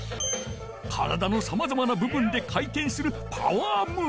体のさまざまなぶぶんで回てんする「パワームーブ」。